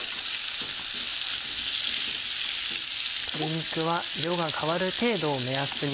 鶏肉は色が変わる程度を目安に。